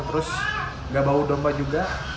terus nggak bau domba juga